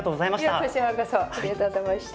いやこちらこそありがとうございました。